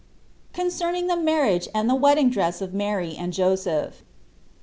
7 CONCERNING THE MARRIAGE AND THE WEDDING DRESS OF MARY AND JOSEPH.